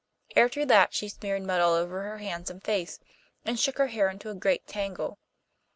After that she smeared mud all over her hands and face, and shook her hair into a great tangle.